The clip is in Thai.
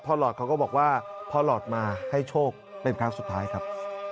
หลอดเขาก็บอกว่าพ่อหลอดมาให้โชคเป็นครั้งสุดท้ายครับ